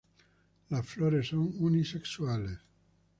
Las flores son unisexuales.